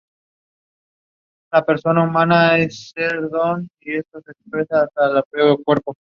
Goldschmidt nació en Zúrich, Suiza.